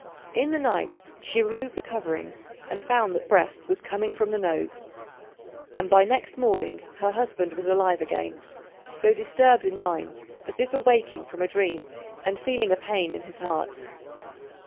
In the night, she removed the coverings, and found that breath was coming from the nose; and by next morning her husband was alive again, though disturbed in mind as if awaking from a dream and feeling a pain in his heart.